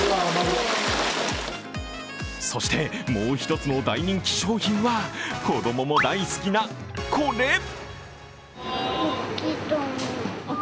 そしてもう１つの大人気商品は子供も大好きな、これ。